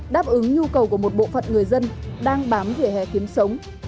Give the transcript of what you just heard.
đáp ứng nhu cầu của một bộ phận người dân đang bám vỉa hè kiếm sống